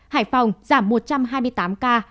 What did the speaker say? hải phòng giảm một trăm hai mươi tám ca